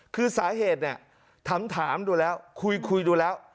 คือสาเหตุเนี่ยถามดูแล้วคุยดูแล้ว